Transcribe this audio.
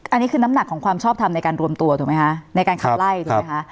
อันนี้คือน้ำหนักของความชอบทำในการรวมตัวถูกไหมคะในการขับไล่ถูกไหมคะ